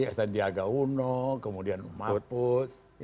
esa diaga uno kemudian mahfud